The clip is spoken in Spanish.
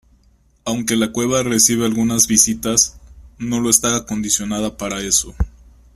Aunque la cueva recibe algunas visitas, no lo está acondicionada para eso.